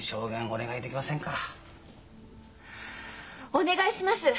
お願いします！